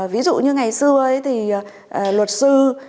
ví dụ như ngày xưa ấy thì luật sư